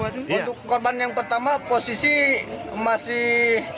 untuk korban yang pertama posisi masih